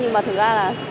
nhưng mà thật ra là